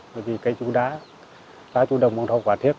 bởi vì cây chu đá lá chu đồng bông thâu quả thiếc